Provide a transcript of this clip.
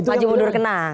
maju mundur kenang